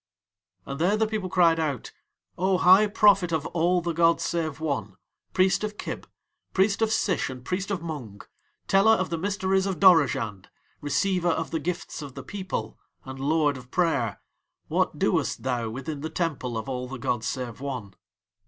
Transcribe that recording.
And there the people cried out: "O High Prophet of All the gods save One, Priest of Kib, Priest of Sish, and Priest of Mung, Teller of the mysteries of Dorozhand, Receiver of the gifts of the People, and Lord of Prayer, what doest thou within the Temple of All the gods save One?"